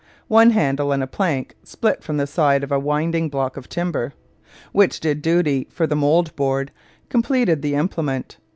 One handle and a plank split from the side of a winding block of timber, which did duty for the mould board, completed the implement.